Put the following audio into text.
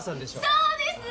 そうです！